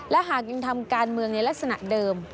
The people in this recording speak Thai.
และหากยังทำการเมืองในลักษณะเดิม